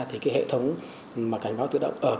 thì hệ thống cảnh báo tự động